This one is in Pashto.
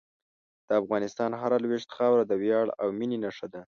د افغانستان هره لویشت خاوره د ویاړ او مینې نښه ده.